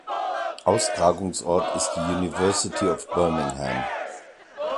Austragungsort ist die University of Birmingham.